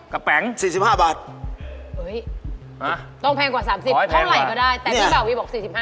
กะแป๋ง๔๕บาทเห้ยต้องแพงกว่า๓๐บาทเท่าไรก็ได้แต่พี่เบ่าวีบอก๔๕